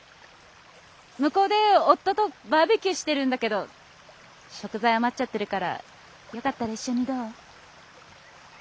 向こうで夫とバーベキューしてるんだけど食材余っちゃってるからよかったら一緒にどう？